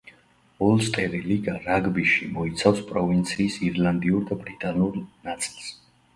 ოლსტერი ლიგა რაგბიში მოიცავს პროვინციის ირლანდიურ და ბრიტანულ ნაწილს.